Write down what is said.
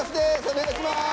お願いします！